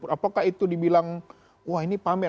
apakah itu dibilang wah ini pamer